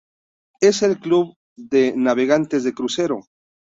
Es el club de navegantes de crucero.